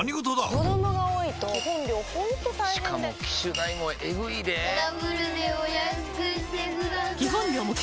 子供が多いと基本料ほんと大変でしかも機種代もエグいでぇダブルでお安くしてください